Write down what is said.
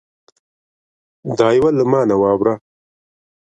دا یوه له ما نه واوره